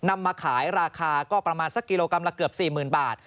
มาขายราคาก็ประมาณสักกิโลกรัมละเกือบ๔๐๐๐บาท